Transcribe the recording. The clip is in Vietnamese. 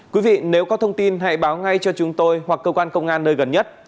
quý vị nếu có thông tin hãy báo ngay cho chúng tôi hoặc cơ quan công an nơi gần nhất